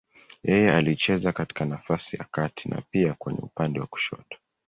Yeye alicheza katika nafasi ya kati na pia kwenye upande wa kushoto.